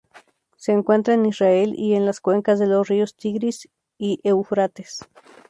Se encuentra en Israel y en las cuencas de los ríos Tigris y Éufrates.